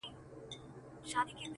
او په گوتو کي يې سپين سگريټ نيولی!!